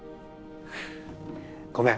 ごめん。